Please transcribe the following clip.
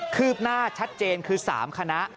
ืบหน้าชัดเจนคือ๓คณะ